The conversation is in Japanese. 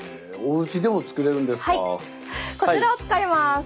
こちらを使います。